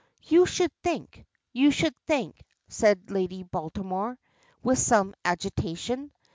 "You should think. You should think," says Lady Baltimore, with some agitation.